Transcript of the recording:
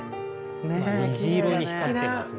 虹色に光ってますね。